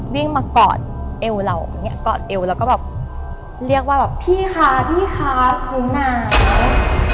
วิ่งมากอดเอวเราเราก็เรียกว่าพี่ค่ะพี่ค่ะหนูหนาว